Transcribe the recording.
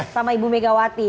sama ibu megawati